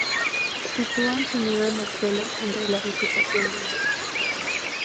Sitúan su nido en el suelo entre la vegetación densa.